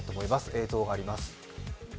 映像があります。